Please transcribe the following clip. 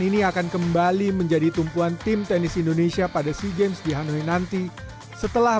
ini akan kembali menjadi tumpuan tim tenis indonesia pada si games dihanui nanti setelah